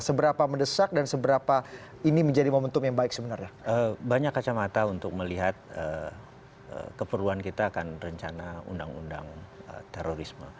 kepada kasus almarhum siono